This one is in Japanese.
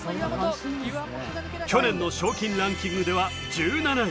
去年の賞金ランキングでは１７位。